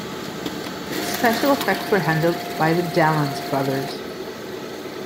Special effects were handled by the Dallons brothers.